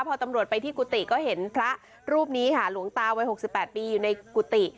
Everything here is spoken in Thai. พอตำรวจไปที่กุฏิก็เห็นพระรูปนี้ค่ะหลวงตาวัย๖๘ปีอยู่ในกุฏิ